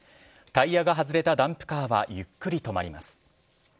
タイヤが外れたダンプカーはゆっくり止まります。